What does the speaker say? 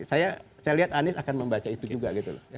saya lihat anies akan membaca itu juga gitu loh